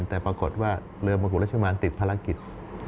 แต่ปรากฏว่าเรือมหุรัชมานติดภารกิจ